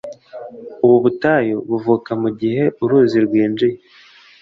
ubu butayu buvuka mugihe uruzi rwinjiye